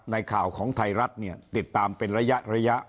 ข่าวของไทยรัฐเนี่ยติดตามเป็นระยะ